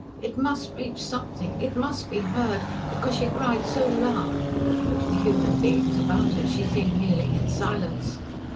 It must reach Something it must be heard, because she cried so loud, though to the human beings about her she seemed kneeling in silence.